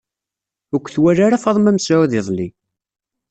Ur k-twala ara Faḍma Mesɛud iḍeli.